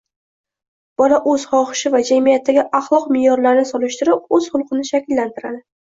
Bola o‘z xohishi va jamiyatdagi axloq meʼyorlarini solishtirib o‘z xulqini shakllantiradi.